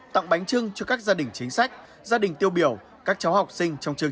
tặng bánh trưng cho các gia đình chính sách gia đình tiêu biểu các cháu học sinh trong trường